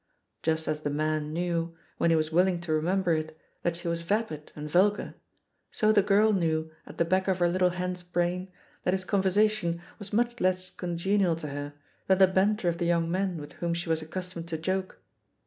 Just as the man knew, when he was willing to remember it, that she was vapid and vulgar, so the girl knew at the back of her little hen's brain that his conversation was much less congenial to her than the banter of the young men with whom she was accustomed to joke.